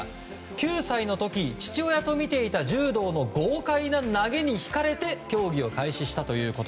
９歳の時父親と見ていた柔道の豪快な投げにひかれて競技を開始したということ。